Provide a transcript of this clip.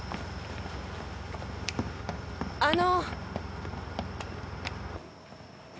あの！